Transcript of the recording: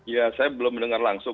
ya saya belum mendengar langsung